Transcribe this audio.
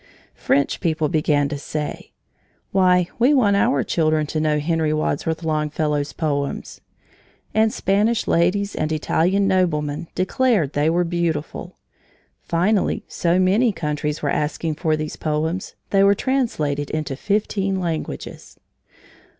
French people began to say: "Why, we want our children to know Henry Wadsworth Longfellow's poems!" And Spanish ladies and Italian noblemen declared they were beautiful. Finally so many countries were asking for these poems they were translated into fifteen languages.